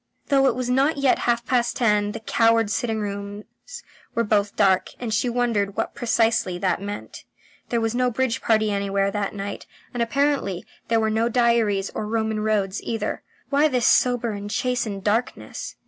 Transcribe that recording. Though it was not yet half past ten the cowards' sitting rooms were both dark, and she wondered what precisely that meant. There was no bridge party anywhere that night, and apparently there were no diaries or Roman roads either. Why this sober and chastened darkness.